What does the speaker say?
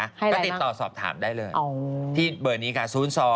ให้อะไรบ้างอเรนนี่ก็ติดต่อสอบถามได้เลยพี่เปิดนี้ค่ะ๐๒๒๙๒๒๙๙๙